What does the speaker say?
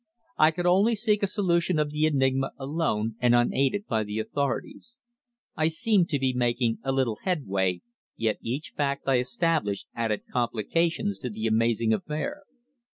I could only seek a solution of the enigma alone and unaided by the authorities. I seemed to be making a little headway, yet each fact I established added complications to the amazing affair.